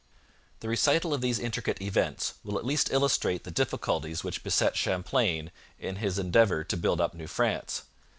The recital of these intricate events will at least illustrate the difficulties which beset Champlain in his endeavour to build up New France.